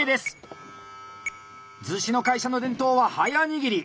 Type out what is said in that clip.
厨子の会社の伝統は「速握り」！